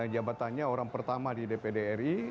jabatannya orang pertama di dpd ri